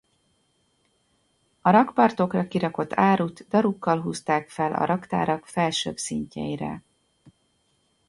A rakpartokra kirakott árut darukkal húzták fel a raktárak felsőbb szintjeire.